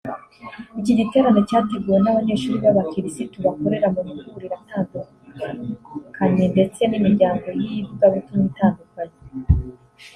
Iki giterane cyateguwe n’abanyeshuri ba bakiristu bakorera mu mahuriro atandukanyendetse n’imiryango y’ivugabutumwa itandukanye